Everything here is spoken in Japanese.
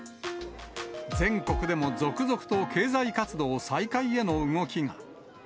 全国でも続々と経済活動再開への動きが。